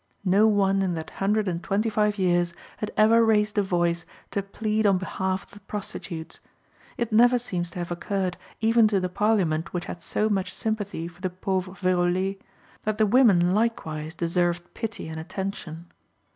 No one in that hundred and twenty five years had ever raised a voice to plead on behalf of the prostitutes; it never seems to have occurred, even to the Parliament which had so much sympathy for the pauvres vérolés, that the women likewise deserved pity and attention.